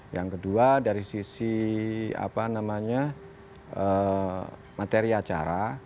yang kedua dari sisi apa namanya materi acara